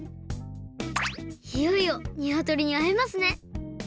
いよいよにわとりにあえますね